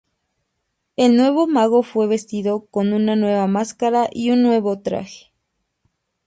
El nuevo mago fue vestido con una nueva máscara y un nuevo traje.